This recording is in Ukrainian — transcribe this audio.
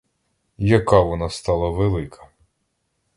Яка вона стала велика!